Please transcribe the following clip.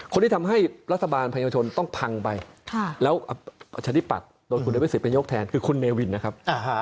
คนที่ทำให้รัฐบาลพลังประชาชนต้องพังไปแล้วอาจารย์ที่ปัดโดนคุณเดวิสิตเป็นยกแทนคือคุณเมวินนะครับ